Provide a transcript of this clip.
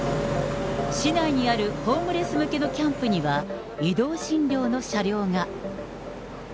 市内にあるホームレス向けのキャンプには、移動診療の車両が。